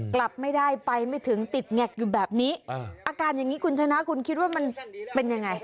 กลับไม่ได้ไปไม่ถึงติดแงกอยู่แบบนี้อาการอย่างนี้คุณชนะคุณคิดว่ามันเป็นยังไง